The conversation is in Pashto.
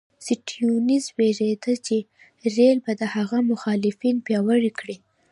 سټیونز وېرېده چې رېل به د هغه مخالفین پیاوړي کړي.